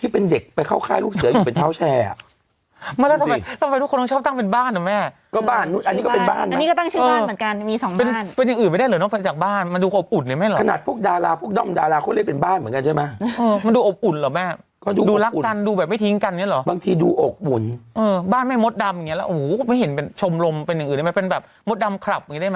อืมอืมอืมอืมอืมอืมอืมอืมอืมอืมอืมอืมอืมอืมอืมอืมอืมอืมอืมอืมอืมอืมอืมอืมอืมอืมอืมอืมอืมอืมอืมอืมอืมอืมอืมอืมอืมอืมอืมอืมอืมอืมอืมอืมอืมอืมอืมอืมอืมอืมอืมอืมอืมอืมอืมอ